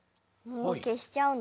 けしちゃうの？